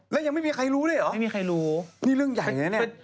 แล้วยังไม่มีใครรู้ด้วยเหรอนี่เรื่องใหญ่อย่างนี้แน่